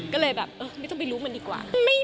ก็เลยแบบเออไม่ต้องไปรู้มันดีกว่า